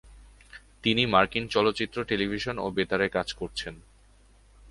তিনি মার্কিন চলচ্চিত্র, টেলিভিশন ও বেতারে কাজ করেছেন।